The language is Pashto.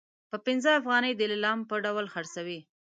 په پنځه افغانۍ د لیلام په ډول خرڅوي.